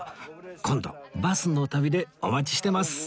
今度『バスの旅』でお待ちしてます